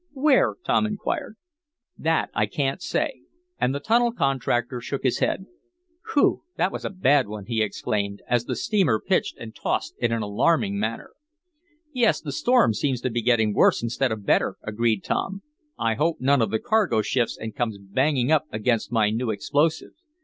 "Where?" Tom inquired. "That I can't say," and the tunnel contractor shook his head. "Whew! That was a bad one!" he exclaimed, as the steamer pitched and tossed in an alarming manner. "Yes, the storm seems to be getting worse instead of better," agreed Tom. "I hope none of the cargo shifts and comes banging up against my new explosive.